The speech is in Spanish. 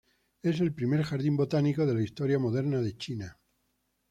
Es el primer jardín botánico de la historia moderna de China.